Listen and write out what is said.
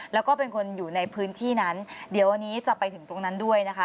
แล้วก็เป็นคนอยู่ในพื้นที่นั้นเดี๋ยววันนี้จะไปถึงตรงนั้นด้วยนะคะ